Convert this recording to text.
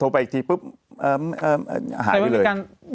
ไปอีกทีปุ๊บหายไปเลย